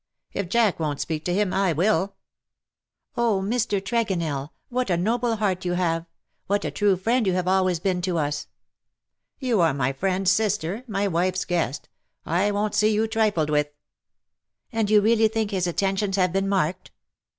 If Jack won't speak to him, I will." " Oh, Mr. Vandeleur, what a noble heart you have — what a true friend you have always been to us.'* ^^You are my friend's sister — my wife's guest. I won't see you trifled with." ^^ And you really think his attentions have been marked